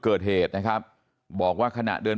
ไม่รู้ตอนไหนอะไรยังไงนะ